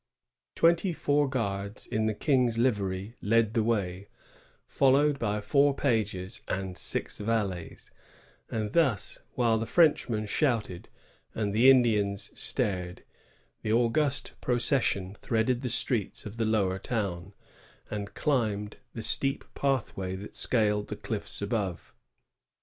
Twenty four guards in the King's livery led the way, followed by four pages and six valets;' and thus, while the Frenchmen shouted and the Indians stared, the august procession threaded the streets of the Lower Town, and climbed the steep pathway that scaled the cliffs above.